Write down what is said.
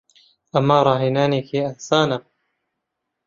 ئەمە ڕاهێنانێکی ئاسانە.